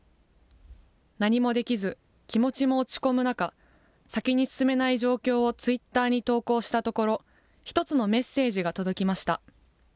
何もできず、気持ちも落ち込む中、先に進めない状況をツイッターに投稿したところ、１つのメッセージが届きました。